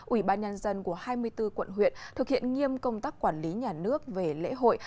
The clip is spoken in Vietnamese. ủy ban nhân dân của hai mươi bốn quận huyện thực hiện nghiêm công tác quản lý nhà nước về lễ hội